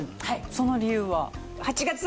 その理由は？